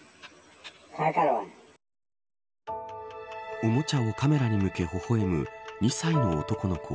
おもちゃをカメラに向け微笑む２歳の男の子。